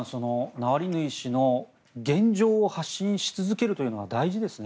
ナワリヌイ氏の現状を発信し続けるというのは大事ですね。